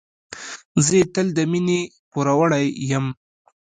زه یې تل د مينې پوروړی یم.